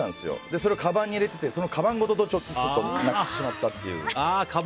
それをかばんに入れててかばんごとなくしちゃったという。